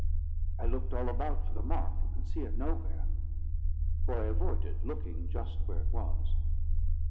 I looked all about for the mark, but could see it nowhere; for I avoided looking just where it was.